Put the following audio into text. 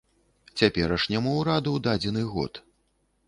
Цяперашняму ўраду дадзены год.